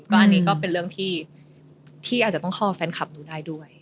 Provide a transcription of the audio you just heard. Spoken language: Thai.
อันนี้ก็เป็นเรื่องที่อาจจะต้องคอแฟนคลับหนูได้ด้วย